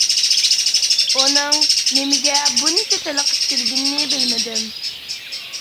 ئۇنىڭ نېمىگە بۇنچە تېلىقىپ كۈلگىنىنى بىلمىدىم.